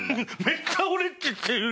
めっちゃ俺っちって言う。